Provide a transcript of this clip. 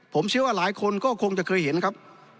ผมเชื่อว่าหลายคนก็คงจะเคยเห็นครับ